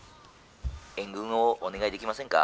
「援軍をお願いできませんか。